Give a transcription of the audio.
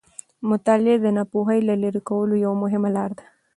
مطالعه د ناپوهي د لیرې کولو یوه مهمه لاره ده.